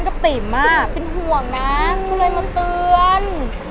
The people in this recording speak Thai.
ไม่มีอะไรมาเตือน